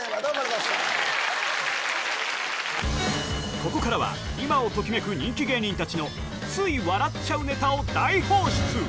ここからは、今を時めく人気芸人たちの、つい笑っちゃうネタを大放出。